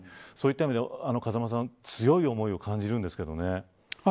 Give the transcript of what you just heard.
そういった意味では風間さん強い思いを感じるんですけどね。